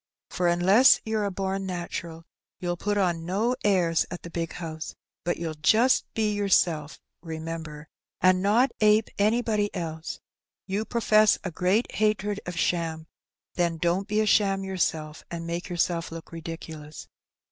For, unless youVe a born natural, you'll put on no airs at the big house; but you'll just be your self, remember, and not ape anybody else; you profess a great hatred of sham, then don't be a sham yourself, and make yourself look ridiculous.